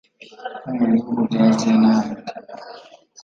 nko mu bihugu bya Aziya n’ahandi